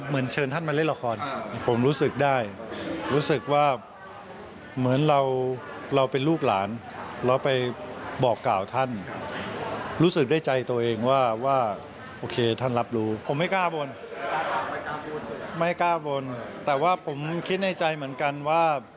ไม่กล้าบนแต่ว่าผมคิดในใจเหมือนกันว่า